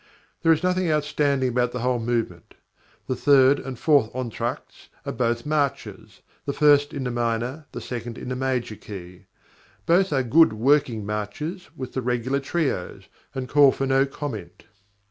There is nothing outstanding about the whole movement. The third and fourth entr'actes are both marches: the first in the minor, the second in the major key. Both are good working marches with the regular trios, and call for no comment.